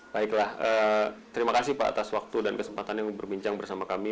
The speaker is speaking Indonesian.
baiklah terima kasih pak atas waktu dan kesempatannya berbincang bersama kami